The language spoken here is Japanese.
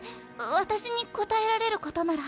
私に答えられることなら。